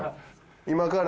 今から。